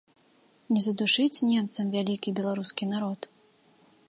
Не задушыць немцам вялікі беларускі народ!